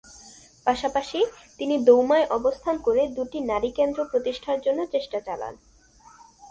পাশাপাশি তিনি দৌমায় অবস্থান করে দু'টি নারী কেন্দ্র প্রতিষ্ঠার জন্য চেষ্টা চালান।